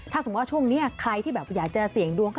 ถ้าสมมุติว่าช่วงนี้ใครที่แบบอยากจะเสี่ยงดวง